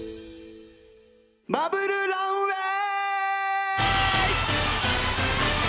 バブルランウェイ！